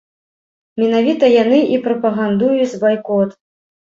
Менавіта яны і прапагандуюць байкот.